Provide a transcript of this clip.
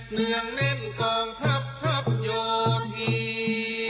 เนื่องแนนกองทับทับโยกที